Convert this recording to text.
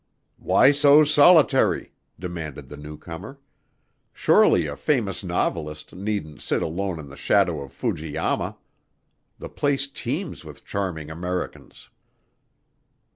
"Why so solitary?" demanded the newcomer. "Surely a famous novelist needn't sit alone in the shadow of Fuji Yama. The place teems with charming Americans."